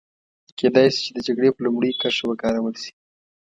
کېدای شي چې د جګړې په لومړۍ کرښه وکارول شي.